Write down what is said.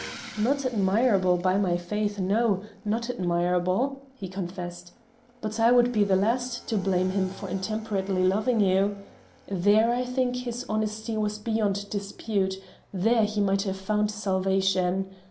"Not admirable, by my faith! no; not admirable," he confessed, "but I would be the last to blame him for intemperately loving you. There, I think his honesty was beyond dispute; there he might have found salvation.